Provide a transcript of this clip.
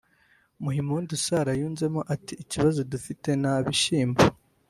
Muhimpundu Sara yunzemo ati “ikibazo dufite nta bishyimbo